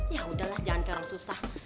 ya udahlah jangan kayak orang susah